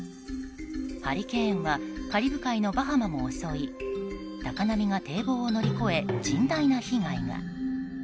ハリケーンはカリブ海のバハマも襲い高波が堤防を乗り越え甚大な被害が。